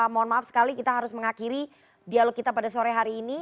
mohon maaf sekali kita harus mengakhiri dialog kita pada sore hari ini